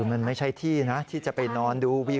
มันไม่ใช่ที่นะที่จะไปนอนดูวิว